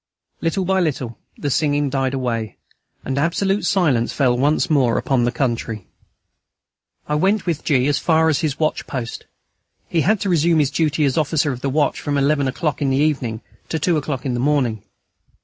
Little by little the singing died away, and absolute silence fell once more upon the country. I went with G. as far as his watch post. He had to resume his duty as officer of the watch from eleven o'clock in the evening to two o'clock in the morning.